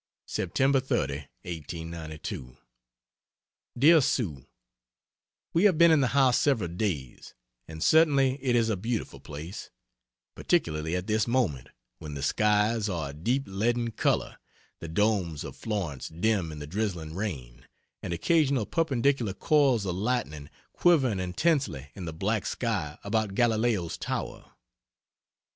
Sept. 30, 1892 DEAR SUE, We have been in the house several days, and certainly it is a beautiful place, particularly at this moment, when the skies are a deep leaden color, the domes of Florence dim in the drizzling rain, and occasional perpendicular coils of lightning quivering intensely in the black sky about Galileo's Tower.